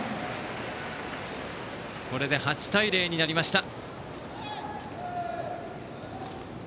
これで８対０になりました。